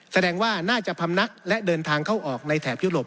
แสดงว่าน่าจะพำนักและเดินทางเข้าออกในแถบยุโรป